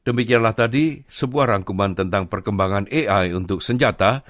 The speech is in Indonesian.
demikianlah tadi sebuah rangkuman tentang perkembangan ai untuk senjata